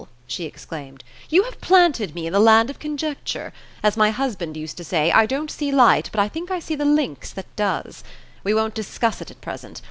she exclaimed, "you have planted me in the land of conjecture. As my husband used to say, I don't see light, but I think I see the lynx that does. We won't discuss it at present.